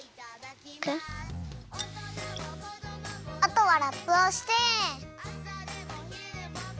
あとはラップをして。